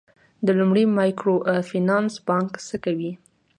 د لومړي مایکرو فینانس بانک څه کوي؟